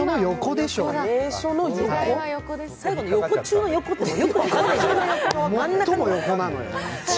最後の横中の横って分かんないよ。